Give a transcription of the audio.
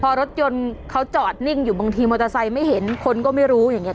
พอรถยนต์เขาจอดนิ่งอยู่บางทีมอเตอร์ไซค์ไม่เห็นคนก็ไม่รู้อย่างเงี้